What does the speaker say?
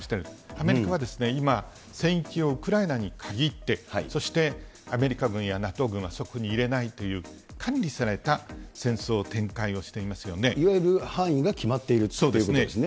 アメリカは今、戦域をウクライナに限って、そしてアメリカ軍やＮＡＴＯ軍はそこに入れないという管理されたいわゆる範囲が決まっているそうですね。